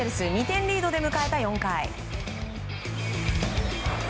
２点リードで迎えた４回。